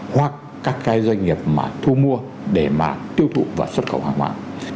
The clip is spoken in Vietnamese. hoặc các cái doanh nghiệp mà thu mua để mà tiêu thụ và xuất khẩu hàng hóa